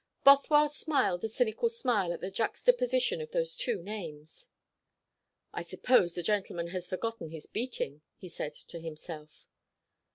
Bothwell smiled a cynical smile at the juxtaposition of those two names. "I suppose the gentleman has forgotten his beating," he said to himself.